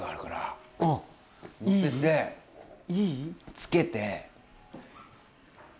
つけて。